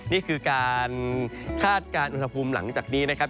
นี่คือการคาดการณ์อุณหภูมิหลังจากนี้นะครับ